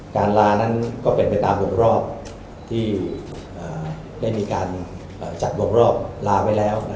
การลานั้นก็เป็นไปตามวงรอบที่ได้มีการจัดวงรอบลาไว้แล้ว